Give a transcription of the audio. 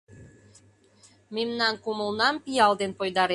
Мемнан кумылнам пиал ден пойдарен.